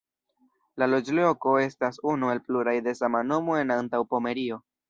La loĝloko estas unu el pluraj de sama nomo en Antaŭpomerio.